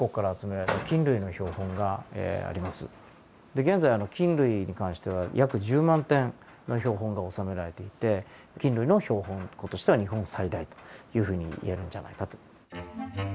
で現在菌類に関しては約１０万点の標本が収められていて菌類の標本庫としては日本最大というふうに言えるんじゃないかと。